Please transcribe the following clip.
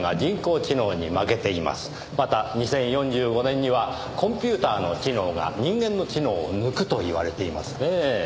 また２０４５年にはコンピューターの知能が人間の知能を抜くといわれていますねぇ。